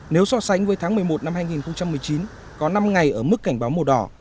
nếu so sánh với tháng một mươi một năm hai nghìn một mươi chín có năm ngày ở mức cảnh báo màu đỏ